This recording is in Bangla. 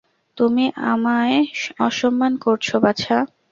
তুমি আমায় অসম্মান করছ, বাছা।